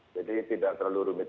jadi tidak terlalu rumit